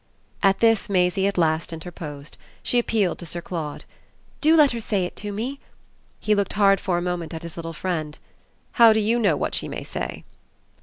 At this Maisie at last interposed: she appealed to Sir Claude. "Do let her say it to me." He looked hard for a moment at his little friend. "How do you know what she may say?"